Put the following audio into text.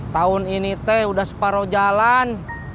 tahun ini teh udah separuh jalan